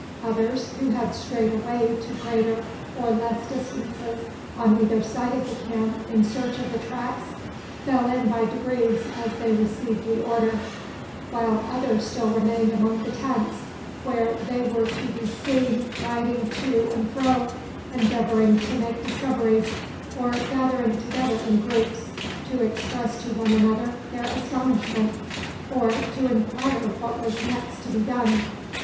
Others, who had strayed away to greater or less distances on either side of the camp in search of the tracks, fell in by degrees as they received the order, while others still remained among the tents, where they were to be seen riding to and fro, endeavoring to make discoveries, or gathering together in groups to express to one another their astonishment, or to inquire what was next to be done.